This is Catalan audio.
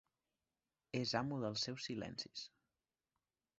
És amo dels seus silencis.